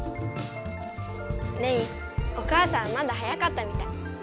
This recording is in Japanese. レイお母さんまだ早かったみたい。